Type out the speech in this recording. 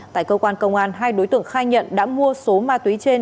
tại cơ quan công an hai đối tượng khai nhận đã mua số ma túy trên